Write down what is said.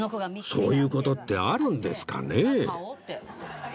そういう事ってあるんですかね？